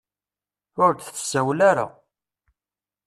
Ur d-tsawel ara.